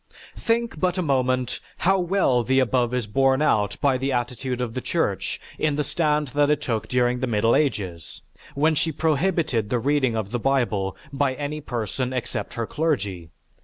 Think but a moment how well the above is borne out by the attitude of the Church in the stand that it took during the Middle Ages, when she prohibited the reading of the Bible by any person except her clergy.